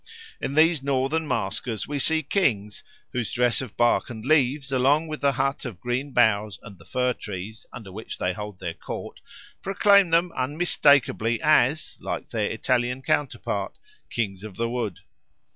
In these northern maskers we see kings, whose dress of bark and leaves along with the hut of green boughs and the fir trees, under which they hold their court, proclaim them unmistakably as, like their Italian counterpart, Kings of the Wood.